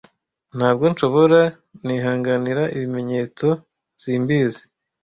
ntabwo nshobora nihanganira ibimenyetso simbizi